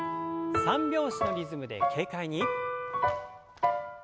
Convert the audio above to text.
三拍子のリズムで軽快に。